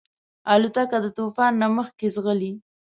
الوتکه د طوفان نه مخکې ځغلي.